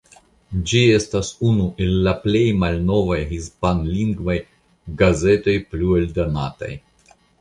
Ĝi estas unu el la plej malnovaj hispanlingvaj gazetoj plu eldonataj.